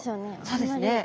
そうですね。